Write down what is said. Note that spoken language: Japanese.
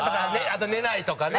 あと寝ないとかね。